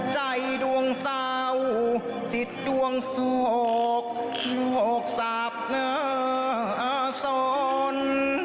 ใจดวงเศร้าจิตดวงสวกโลกสับสน